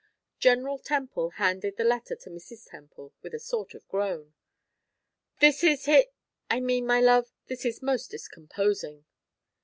General Temple handed the letter to Mrs. Temple with a sort of groan. "This is he I mean, my love, this is most discomposing."